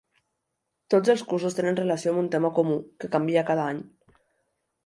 Tots els cursos tenen relació amb un tema comú, que canvia cada any.